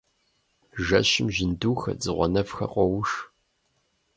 Жэщым жьындухэр, дзыгъуэнэфхэр къоуш.